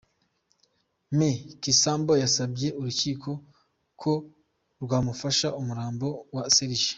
Me Kisambo yasabye urukiko ko rwamufasha, umurambo wa Serg.